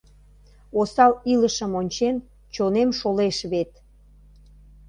Осал илышым ончен, чонем шолеш вет!